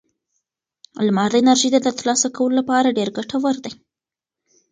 لمر د انرژۍ د ترلاسه کولو لپاره ډېر ګټور دی.